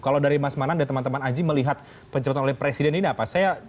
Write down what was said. kalau dari mas mananda teman teman aji melihat penceritaan oleh presiden ini apa